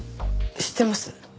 知ってます。